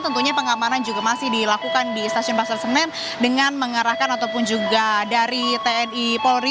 tentunya pengamanan juga masih dilakukan di stasiun pasar senen dengan mengarahkan ataupun juga dari tni polri